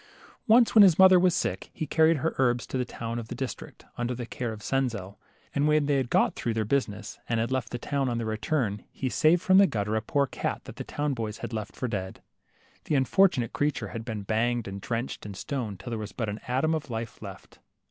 Once, when his mother was sick, he carried her herbs to the town of the district, under the care of Senzel ; and when they had got through their busi ness and had left the town, on their return, he saved from the gutter a poor cat that the town boys had left for dead. The unfortunate creature had been banged and drenched and stoned, till there was but an atom of life left.